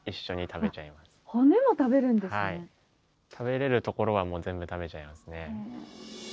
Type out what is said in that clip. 食べれるところはもう全部食べちゃいますね。